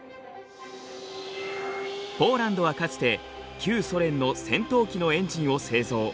ポーランドはかつて旧ソ連の戦闘機のエンジンを製造。